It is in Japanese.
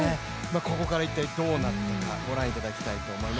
ここから一体どうなっていくかご覧いただきたいと思います。